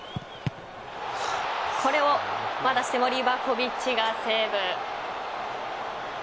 これをまたしてもリヴァコヴィッチがセーブ。